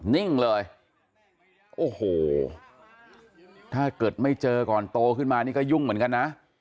นิ่งเลยโอ้โหถ้าเกิดไม่เจอก่อนโตขึ้นมานี่ก็ยุ่งเหมือนกันนะ